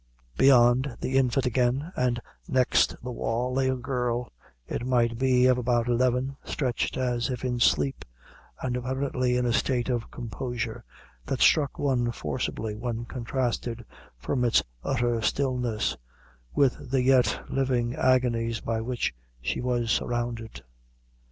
Beyond the infant again, and next the wall, lay a girl, it might be about eleven, stretched, as if in sleep, and apparently in a state of composure that struck one forcibly, when contrasted, from its utter stillness, with the yet living agonies by which she was surrounded.